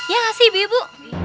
ya gak sih ibu ibu